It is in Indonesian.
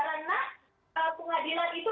karena pengadilan itu